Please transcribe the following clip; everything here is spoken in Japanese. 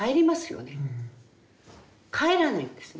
帰らないんですね。